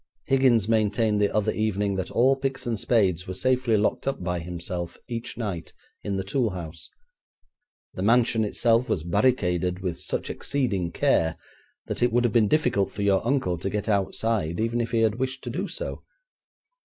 Higgins maintained the other evening that all picks and spades were safely locked up by himself each night in the tool house. The mansion itself was barricaded with such exceeding care that it would have been difficult for your uncle to get outside even if he wished to do so.